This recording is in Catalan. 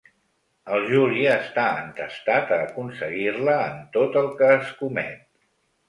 El Juli està entestat a aconseguir-la en tot el que escomet.